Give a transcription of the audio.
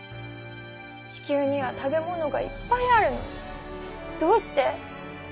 地球には食べ物がいっぱいあるのにどうして？